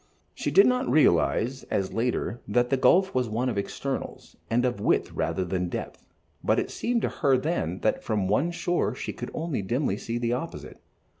She did not realize, as later, that the gulf was one of externals, and of width rather than depth, but it seemed to her then that from one shore she could only see dimly the opposite.